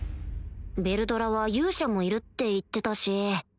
ヴェルドラは勇者もいるって言ってたし